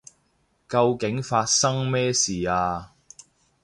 究竟發生咩事啊？